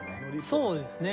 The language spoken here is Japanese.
そうですね。